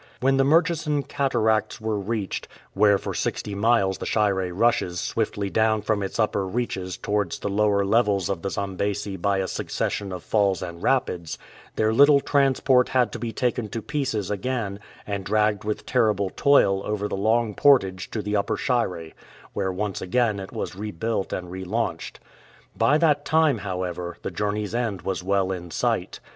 When the Murchison Cataracts were reached, where for sixty miles the Shire rushes swiftly down from its upper reaches towards the lower levels of the Zambesi by a succession of falls and rapids, their little transport had to be taken to pieces again, and dragged with terrible toil over the long portage to the Upper Shire, where once again it was rebuilt and re launched. By that time, however, the journey's end was well in sight.